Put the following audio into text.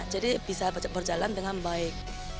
jadi bisa berjalan dengan baik